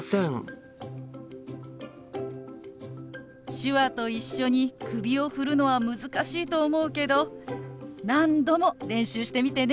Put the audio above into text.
手話と一緒に首を振るのは難しいと思うけど何度も練習してみてね。